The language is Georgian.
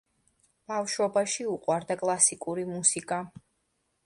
ბავშვობაში უყვარდა კლასიკური მუსიკა.